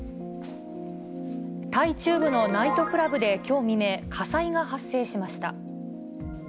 タイ中部のナイトクラブできょう未明、火災が発生しました。